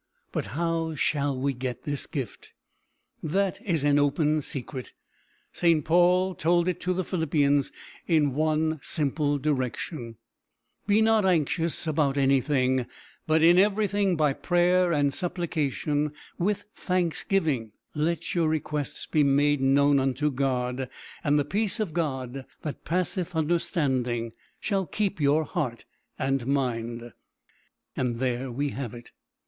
But how shall we get this gift? That is an open secret. St. Paul told it to the Philippians in one simple direction: "Be not anxious about anything, but in everything, by prayer and supplication, with thanksgiving, let your requests be made known unto God; and the peace of God that passeth understanding shall keep your heart and mind." There we have it.